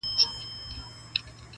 ژوند له دې انګار سره پیوند لري؛